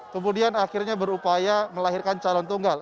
kemudian akhirnya berupaya melahirkan calon tunggal